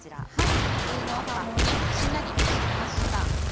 かぶの葉もしんなりしました。